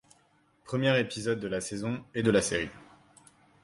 Premier épisode de la saison et de la série.